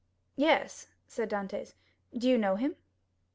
"Yes," said Dantès; "do you know him?"